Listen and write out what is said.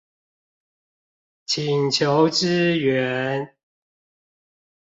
請求支援